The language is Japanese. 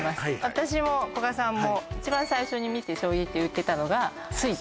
私も古賀さんも一番最初に見て衝撃を受けたのが「酔拳」